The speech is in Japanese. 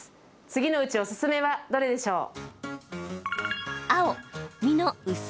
次のうちおすすめはどれでしょう。